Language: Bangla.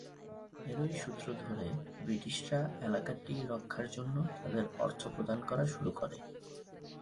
এরই সূত্র ধরে ব্রিটিশরা এলাকাটি রক্ষার জন্য তাদের অর্থ প্রদান করা শুরু করে।